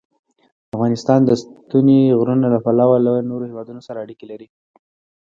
افغانستان د ستوني غرونه له پلوه له نورو هېوادونو سره اړیکې لري.